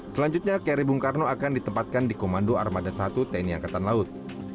selanjutnya kri bung karno akan ditempatkan di komando armada satu tni angkatan laut